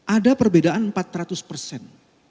ada perbedaan empat ratus persen